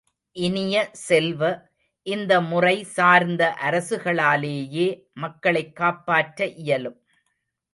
இனிய செல்வ, இந்த முறை சார்ந்த அரசுகளாலேயே மக்களைக் காப்பாற்ற இயலும்!